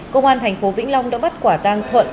cơ quan thành phố vĩnh long đã bắt quả tang thuận